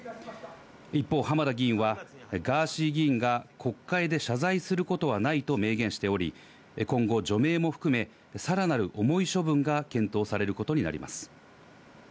一方、浜田議員は、ガーシー議員が国会で謝罪することはないと明言しており、今後、除名も含め、さらなる重い処分が検討されることになります。